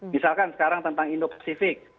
misalkan sekarang tentang indo pasifik